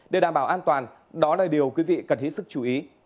để đảm bảo an toàn đó là điều quý vị cần hết sức chú ý